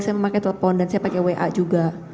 saya memakai telepon dan saya pakai wa juga